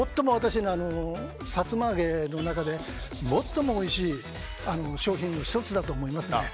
さつま揚げの中で最もおいしい商品の１つだと思いますね。